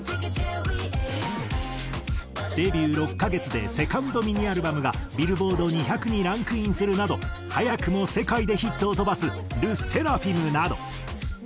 デビュー６カ月で２ｎｄミニアルバムがＢｉｌｌｂｏａｒｄ２００にランクインするなど早くも世界でヒットを飛ばすＬＥＳＳＥＲＡＦＩＭなど。